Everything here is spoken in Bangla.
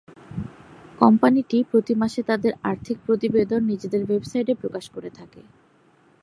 কোম্পানিটি প্রতি মাসে তাদের আর্থিক প্রতিবেদন নিজেদের ওয়েবসাইটে প্রকাশ করে থাকে।